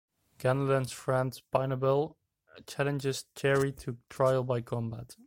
Ganelon's friend Pinabel challenges Thierry to trial by combat.